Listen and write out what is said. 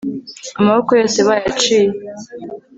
Amaboko yose bayaciye